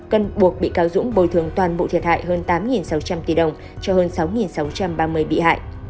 cần buộc bị cáo dũng bồi thường toàn bộ thiệt hại hơn tám sáu trăm linh tỷ đồng cho hơn sáu sáu trăm ba mươi bị hại